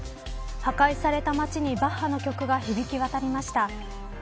破壊された街にバッハの曲が響き渡りました。